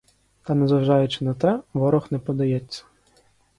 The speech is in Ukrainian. Та незважаючи на те, ворог не подається.